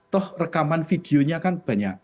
toh rekaman videonya kan banyak